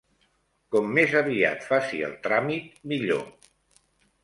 Com més aviat faci el tràmit, millor.